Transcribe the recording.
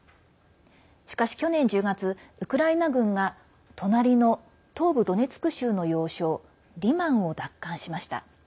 しかし、去年１０月ウクライナ軍が隣の東部ドネツク州の要衝マリンを奪還しました。